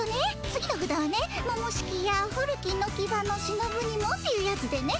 次のふだはね「ももしきやふるきのきばのしのぶにも」っていうやつでね